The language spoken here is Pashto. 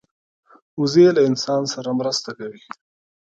وزې له انسان سره مرسته کوي